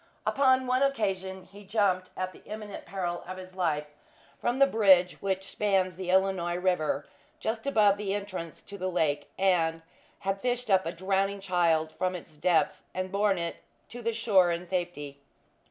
Upon one occasion he had jumped at the imminent peril of his life, from the bridge which spans the Illinois river just above the entrance to the lake, and had fished up a drowning child from its depths and borne it to the shore in safety.